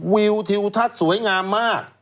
วิวทิวทัศน์สวยงามมาก